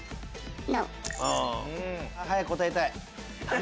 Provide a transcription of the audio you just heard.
早く答えたい。